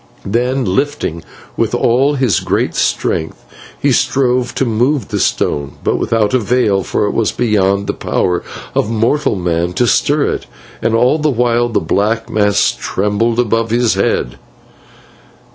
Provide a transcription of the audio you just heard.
Then, lifting with all his strength, he strove to move the stone, but without avail, for it was beyond the power of mortal man to stir it, and all the while the black mass trembled above his head.